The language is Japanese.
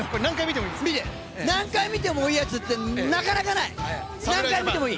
何回見てもいいやっつってなかなかない、何回見てもいい。